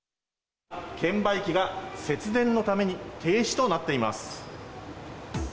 券売機が節電のために停止となっています。